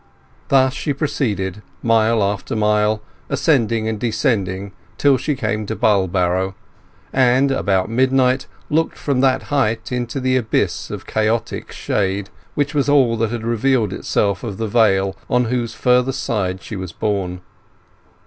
Thus she proceeded mile after mile, ascending and descending till she came to Bulbarrow, and about midnight looked from that height into the abyss of chaotic shade which was all that revealed itself of the vale on whose further side she was born.